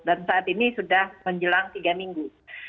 dan saat ini sudah menjelang tiga minggu